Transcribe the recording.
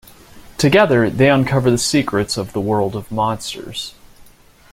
Together, they uncover the secrets of the world of monsters.